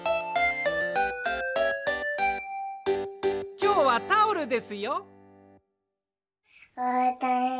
きょうはタオルですよ。